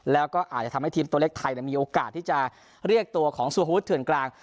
แล้วก็อาจจะทำให้ทีมตัวเลขไทยมีโอกาสที่จะเรียกตัวของซูฮุธเถื่อนกลาง